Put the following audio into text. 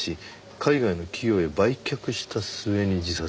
海外の企業へ売却した末に自殺」？